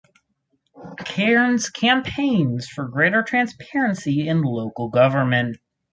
Cairns campaigns for greater transparency in local government.